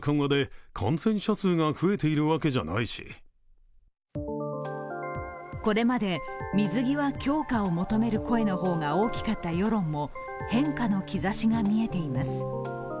岸田総理は、周囲にこれまで水際強化を求める声の方が大きかった世論も変化の兆しが見えています。